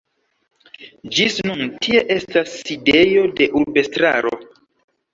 Ĝis nun tie estas sidejo de urbestraro.